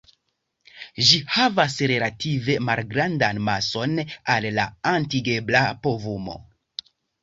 Ĝi havas relative malgrandan mason al la atingebla povumo.